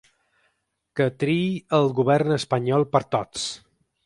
Que triï el govern espanyol per tots.